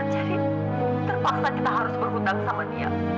jadi ibu terpaksa kita harus berhutang sama dia